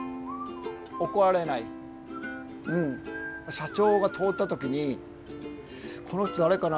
社長が通った時に「この人誰かな？」。